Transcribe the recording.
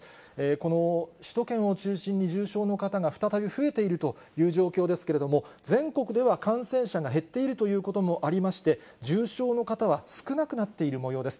この首都圏を中心に、重症の方が再び増えているという状況ですけれども、全国では感染者が減っているということもありまして、重症の方は少なくなっているもようです。